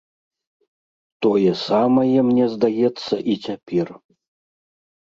Тое самае мне здаецца і цяпер.